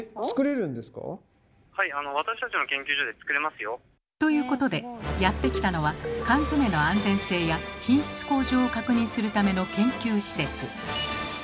作れるんですか？ということでやって来たのは缶詰の安全性や品質向上を確認するための研究施設。